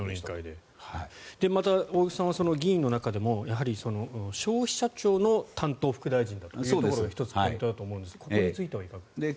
また、大串さんは議員の中でもやはり消費者庁の担当副大臣だというところが１つポイントだと思いますがここについてはいかがですか？